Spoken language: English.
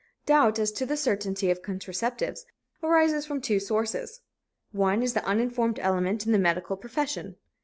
Doubt as to the certainty of contraceptives arises from two sources. One is the uninformed element in the medical profession.